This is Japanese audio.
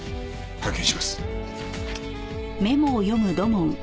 拝見します。